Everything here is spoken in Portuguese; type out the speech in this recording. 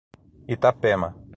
Itapema